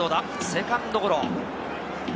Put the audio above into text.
セカンドゴロ。